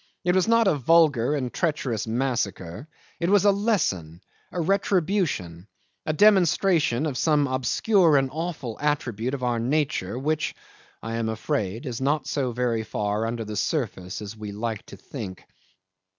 It was not a vulgar and treacherous massacre; it was a lesson, a retribution a demonstration of some obscure and awful attribute of our nature which, I am afraid, is not so very far under the surface as we like to think.